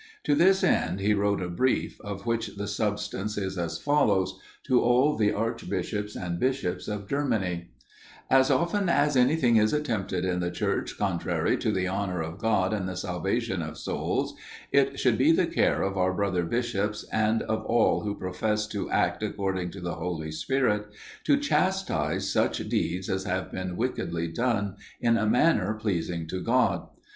To this end he wrote a brief, of which the substance is as follows, to all the archbishops and bishops of Germany: "As often as anything is attempted in the Church contrary to the honor of God and the salvation of souls, it should be the care of our brother bishops, and of all who profess to act according to the Holy Spirit, to chastise such deeds as have been wickedly done, in a manner pleasing to God.